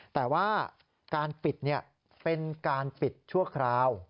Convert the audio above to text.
แต่ว่าการปิดเป็นการปิดชั่วคราว